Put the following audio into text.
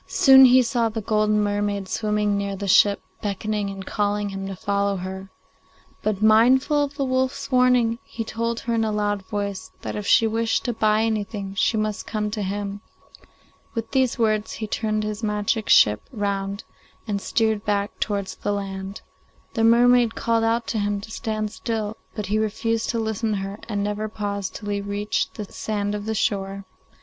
Soon he saw the golden mermaid swimming near the ship, beckoning and calling to him to follow her; but, mindful of the wolf's warning, he told her in a loud voice that if she wished to buy anything she must come to him. With these words he turned his magic ship round and steered back towards the land. The mermaid called out to him to stand still, but he refused to listen to her and never paused till he reached the sand of the shore.